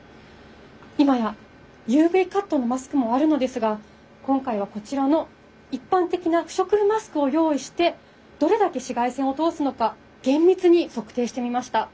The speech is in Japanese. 今やＵＶカットのマスクもあるのですが今回はこちらの一般的な不織布マスクを用意してどれだけ紫外線を通すのか厳密に測定してみました。